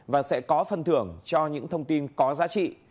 và sẽ có phân thưởng cho những thông tin có giá trị